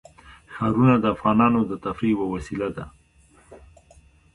ښارونه د افغانانو د تفریح یوه وسیله ده.